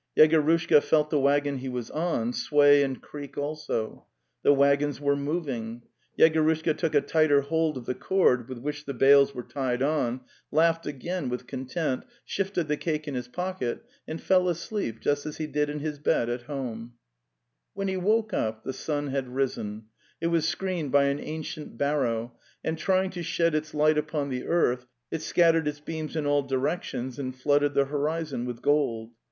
\'. "Yegorushka (felt thie waggon he was on sway and creak also. 'The wag gons were moving. Yegorushka took a tighter hold of the cord with which the bales were tied on, laughed again with content, shifted the cake in his pocket, and fell asleep just as he did in his bed at Homes hie When he woke up the sun had risen, it was screened by an ancient barrow, and, trying to shed its light) upon 'the 'earth, it scattered' its 'beams\in 'all directions and flooded the horizon with gold.